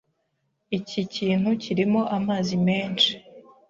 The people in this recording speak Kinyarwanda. Iki kintu kirimo amazi menshi.